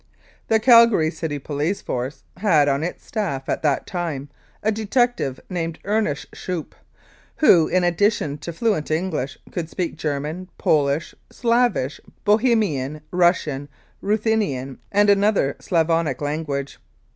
The Calgary City Police Force had on its staff at that time a detective named Ernest Schoeppe, who, in addition to fluent English, could speak German, Polish, Slavish, Bohemian, Russian, Ruthenian and another Slavonic language.